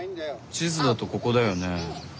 地図だとここだよね？